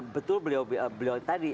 betul beliau tadi